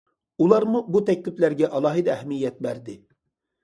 ئۇلارمۇ بۇ تەكلىپلەرگە ئالاھىدە ئەھمىيەت بەردى.